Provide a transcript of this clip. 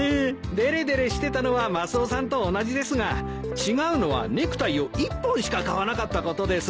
デレデレしてたのはマスオさんと同じですが違うのはネクタイを１本しか買わなかったことです。